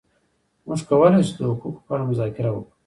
موږ کولای شو د حقوقو په اړه مذاکره وکړو.